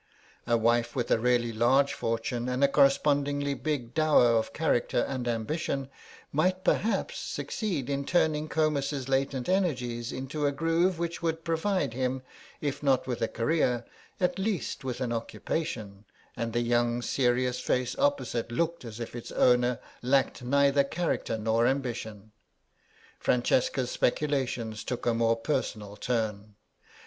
A wife with a really large fortune and a correspondingly big dower of character and ambition, might, perhaps, succeed in turning Comus's latent energies into a groove which would provide him, if not with a career, at least with an occupation, and the young serious face opposite looked as if its owner lacked neither character or ambition. Francesca's speculations took a more personal turn.